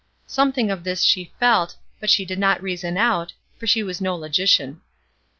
Something of this she felt, but did not reason out, for she was no logician.